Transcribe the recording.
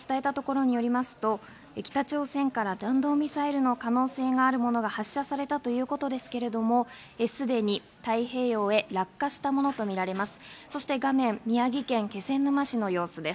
海上保安庁が防衛省の情報として伝えたところによりますと、北朝鮮から弾道ミサイルの可能性があるものが発射されたということですけれども、すでに太平洋へ落下したものとみられます。